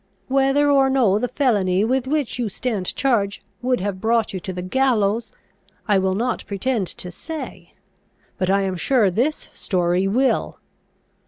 Whether or no the felony with which you stand charged would have brought you to the gallows, I will not pretend to say: but I am sure this story will.